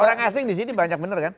orang asing disini banyak bener kan